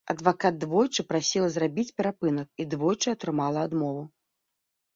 Адвакат двойчы прасіла зрабіць перапынак і двойчы атрымала адмову.